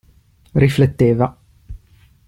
Rifletteva.